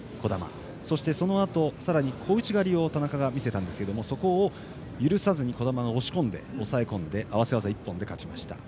そしてそのあとさらに小内刈りを田中が見せたんですがそこを許さずに児玉が押し込んで、押さえ込んで合わせ技一本で勝ちました。